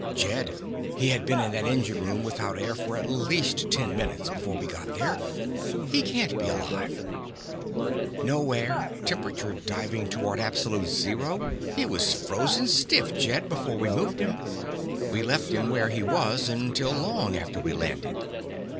"Jed. He had been in that engine room without air for at least ten minutes before we got there. He can't be alive." "No air. Temperature diving toward absolute zero. He was frozen stiff, Jed, before we moved him. We left him where he was until long after we landed."